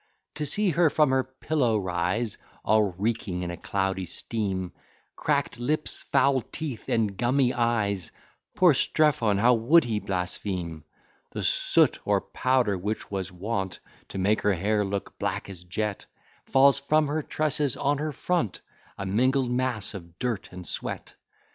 To see her from her pillow rise, All reeking in a cloudy steam, Crack'd lips, foul teeth, and gummy eyes, Poor Strephon! how would he blaspheme! The soot or powder which was wont To make her hair look black as jet, Falls from her tresses on her front, A mingled mass of dirt and sweat.